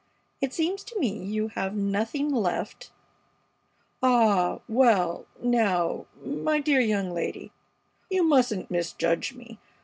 It seems to me you have nothing left " "Ah! Well now my dear young lady you mustn't misjudge me!